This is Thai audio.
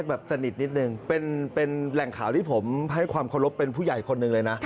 คือจริงแล้วไม่ใช่ไม่ใช่ค่ะ